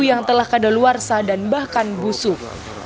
yang telah ke dalwarsa dan bahkan busuk